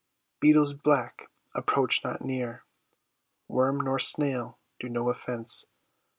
Beetles black, approach not near; Worm nor snail, do no offence.